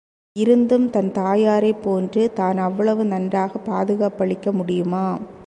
இருந்தும் தன் தாயாரைப் போன்று தான் அவ்வளவு நன்றாகப் பாதுகாப்பளிக்க முடியுமா?